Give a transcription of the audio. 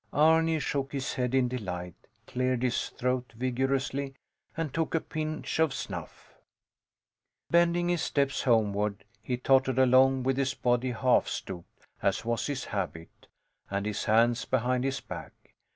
Arni shook his head in delight, cleared his throat vigorously, and took a pinch of snuff. Bending his steps homeward, he tottered along with his body half stooped, as was his habit, and his hands behind his back.